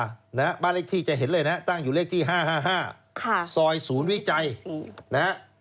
ซอยศูนย์วิจัยคุณวิทย์อ่านเลยได้เห็นไหม